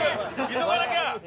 急がなきゃ！